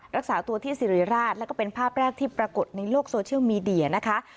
รักษาตัวที่สิริราชแล้วก็เป็นภาพแรกที่ปรากฏในโลกโซเชียลมีเดียนะคะ